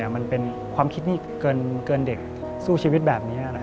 มันเป็นความคิดนี่เกินเด็กสู้ชีวิตแบบนี้